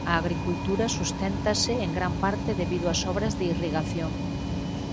A agricultura susténtase en gran parte debido ás obras de irrigación.